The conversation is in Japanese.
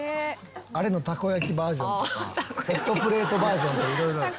あれのたこ焼きバージョンとかホットプレートバージョンとか色々ある」